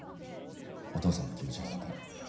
お父さんの気持ちは分かる。